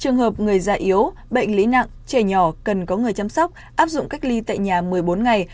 trường hợp người già yếu bệnh lý nặng trẻ nhỏ cần có người chăm sóc áp dụng cách ly tại nhà một mươi bốn ngày